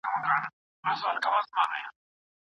ټولنیز پیوستون د نظریې بنسټ جوړ کړ.